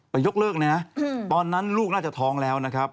ยกเลิกเลยนะตอนนั้นลูกน่าจะท้องแล้วนะครับ